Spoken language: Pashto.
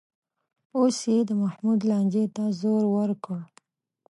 اوس یې د محمود لانجې ته زور ورکړ